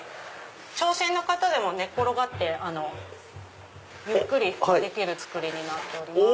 長身の方でも寝転がってゆっくりできる造りになっております。